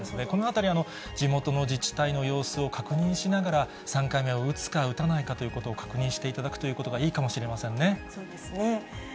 このあたり、地元の自治体の様子を確認しながら、３回目を打つか打たないかということを確認していただくというこそうですね。